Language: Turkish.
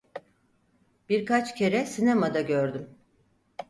Birkaç kere sinemada gördüm.